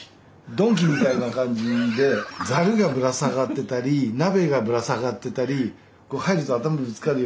ドンキみたいな感じでザルがぶら下がってたり鍋がぶら下がってたりこう入ると頭ぶつかるような感じの。